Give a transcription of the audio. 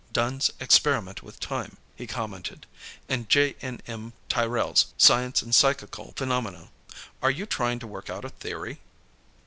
"Dunne's 'Experiment with Time,'" he commented. "And J. N. M. Tyrrell's 'Science and Psychical Phenomena.' Are you trying to work out a theory?"